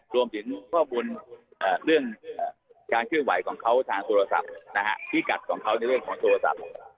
รวมถึงข้อมูลเรื่องการเคลื่อนไหวของเขาทางโทรศัพท์พิกัดของเขาในเรื่องของโทรศัพท์